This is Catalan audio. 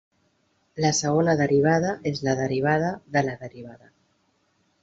La segona derivada és la derivada de la derivada.